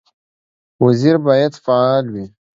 وزیر باید فعال وي